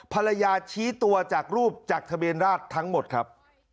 ระยะชี้ตัวจากรูปจากทะเบียนราชทั้งหมดครับ